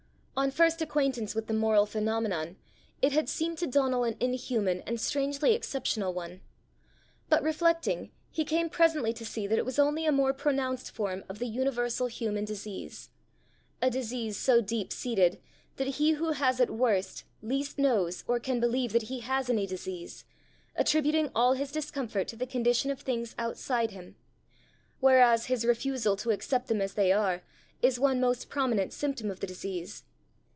On first acquaintance with the moral phenomenon, it had seemed to Donal an inhuman and strangely exceptional one; but reflecting, he came presently to see that it was only a more pronounced form of the universal human disease a disease so deep seated that he who has it worst, least knows or can believe that he has any disease, attributing all his discomfort to the condition of things outside him; whereas his refusal to accept them as they are, is one most prominent symptom of the disease.